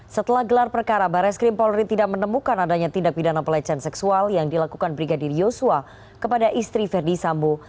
setelah gelar perkara bares krim polri tidak menemukan adanya tindak pidana pelecehan seksual yang dilakukan brigadir yosua kepada istri verdi sambo